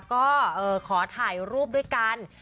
ก็ขอถ่ายรูปด้วยกัน